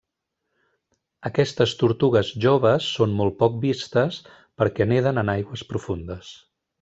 Aquestes tortugues joves són molt poc vistes, perquè neden en aigües profundes.